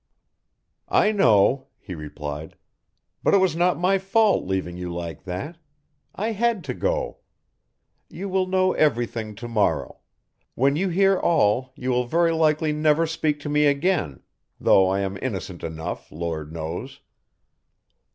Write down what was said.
"I know," he replied, "but it was not my fault leaving you like that. I had to go. You will know everything to morrow when you hear all you will very likely never speak to me again though I am innocent enough, Lord knows."